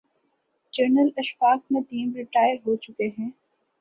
General Ashfaq Nadeem retire ہو چکے ہیں۔